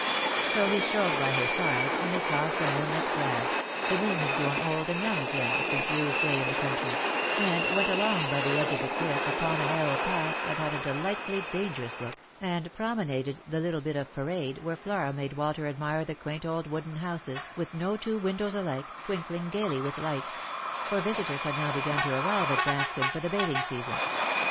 So he strolled by her side, and they crossed the moonlit grass — the moon had grown old and young again since Loo's day in the country — and went along by the edge of the cliff, upon a narrow path that had a delightfully dangerous look, and pro menaded the little bit of parade, where Flora made Walter admire the quaint old wooden houses, with no two windows alike, twinkling gaily with lights ; for visitors had now begun to arrive at Branscomb for the bathing season.